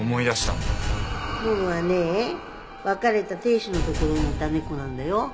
ももはね別れた亭主のところにいた猫なんだよ。